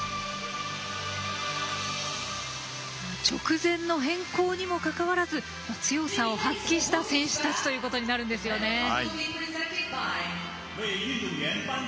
直前の変更にもかかわらず強さを発揮した選手たちということになるんですよね。